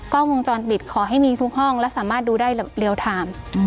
กล้องวงจรปิดขอให้มีทุกห้องและสามารถดูได้เรียลไทม์